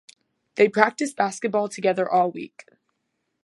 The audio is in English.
They practiced basketball together all week.